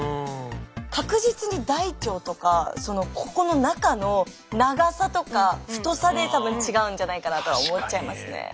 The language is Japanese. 確実に大腸とかここの中の長さとか太さでたぶん違うんじゃないかなとは思っちゃいますね。